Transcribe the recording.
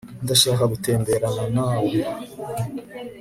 ndashaka gutemberana nawe